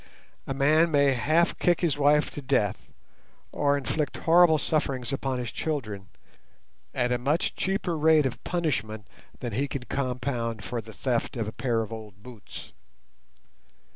A man may half kick his wife to death or inflict horrible sufferings upon his children at a much cheaper rate of punishment than he can compound for the theft of a pair of old boots.